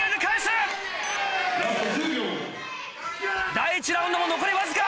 第１ラウンドも残りわずか。